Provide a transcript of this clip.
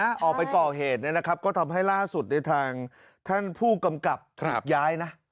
ออกไปก่อเหตุเนี่ยนะครับก็ทำให้ล่าสุดในทางท่านผู้กำกับถูกย้ายนะ